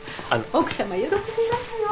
奥さま喜びますよ。